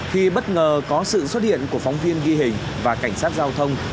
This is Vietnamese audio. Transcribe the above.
thì bất ngờ có sự xuất hiện của phóng viên ghi hình và cảnh sát giao thông